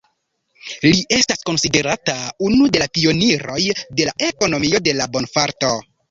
Li estas konsiderata unu de la pioniroj de la ekonomio de la bonfarto.